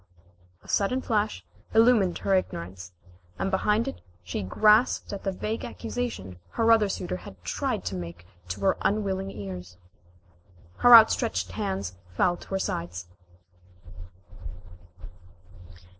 A sudden flash illumined her ignorance, and behind it she grasped at the vague accusation her other suitor had tried to make to her unwilling ears. Her outstretched hands fell to her sides.